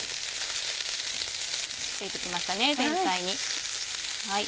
ついてきましたね全体に。